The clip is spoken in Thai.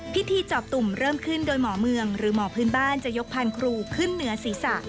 จอบตุ่มเริ่มขึ้นโดยหมอเมืองหรือหมอพื้นบ้านจะยกพานครูขึ้นเหนือศีรษะ